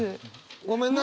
ごめんな。